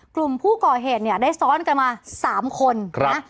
กลุ่มผู้ก่อเหตุเนี่ยได้ซ้อนกันมา๓คนนะ